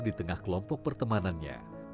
di tengah kelompok pertemanannya